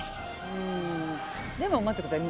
うんでも待ってください。